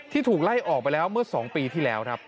ที่ถูกไล่ออกไปแล้วเมื่อสองปีที่แล้ว